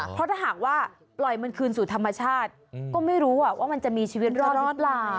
เพราะถ้าหากว่าปล่อยมันคืนสู่ธรรมชาติก็ไม่รู้ว่ามันจะมีชีวิตรอดหรือเปล่า